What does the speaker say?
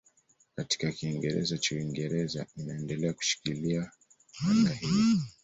Katika Kiingereza cha Uingereza inaendelea kushikilia maana hii.